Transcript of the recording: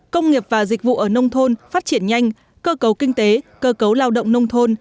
công nghiệp và dịch vụ ở nông thôn phát triển nhanh cơ cấu kinh tế cơ cấu lao động nông thôn